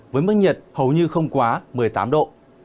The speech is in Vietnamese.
với mức nhiệt hầu như không quá một mươi tám độ